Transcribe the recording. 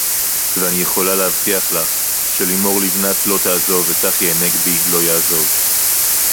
ואני יכולה להבטיח לך שלימור לבנת לא תעזוב וצחי הנגבי לא יעזוב